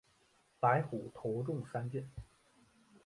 白虎头中三箭。